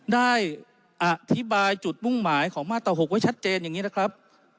ได้อธิบายจุดมุ่งหมายของมาตร๖ไว้ชัดเจนอย่างนี้นะครับ